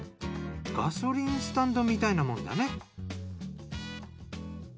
ガソリンスタンドみたいなものだね。